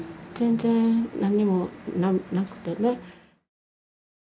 全然何もなくてね。